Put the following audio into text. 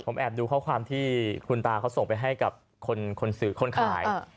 ผมแอบดูข้อความที่คุณตาเขาส่งไปให้กับคนซื้อคนขาย